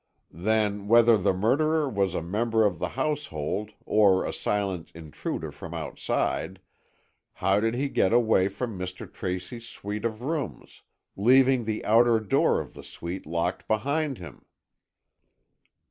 "Then, whether the murderer was a member of the household, or a silent intruder from outside, how did he get away from Mr. Tracy's suite of rooms, leaving the outer door of the suite locked behind him?"